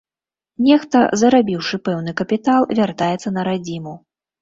Нехта, зарабіўшы пэўны капітал, вяртаецца на радзіму.